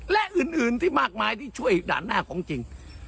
และอื่นที่มากมายที่ช่วยด่านหน้าของจริง